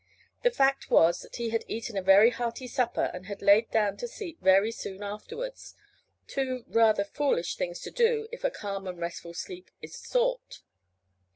The fact was that he had eaten a very hearty supper and lain down to sleep very soon afterwards, two rather foolish things to do if a calm and restful sleep be sought.